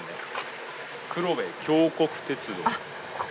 黒部峡谷鉄道。